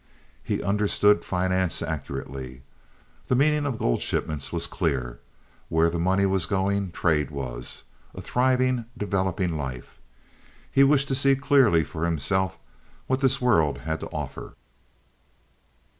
He understood finance accurately. The meaning of gold shipments was clear. Where money was going trade was—a thriving, developing life. He wished to see clearly for himself what this world had to offer.